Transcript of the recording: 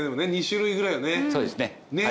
２種類ぐらいはね。